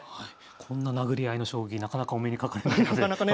こんななぐり合いの将棋なかなかお目にかかれないので楽しいですね。